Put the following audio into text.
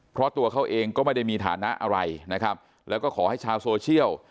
เพราะตัวเขาเองก็ไม่ได้มีฐานะอะไรนะครับแล้วก็ขอให้ชาวโซเชียล